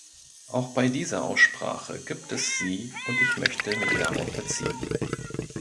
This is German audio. Auch bei dieser Aussprache gibt es sie und ich möchte mich darauf beziehen.